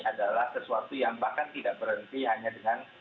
adalah sesuatu yang bahkan tidak berhenti hanya dengan